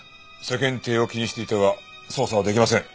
世間体を気にしていては捜査はできません。